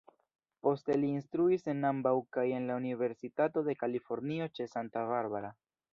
Poste li instruis en ambaŭ kaj en la Universitato de Kalifornio ĉe Santa Barbara.